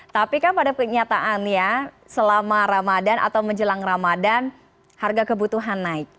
tapi kan pada kenyataannya selama ramadan atau menjelang ramadan harga kebutuhan naik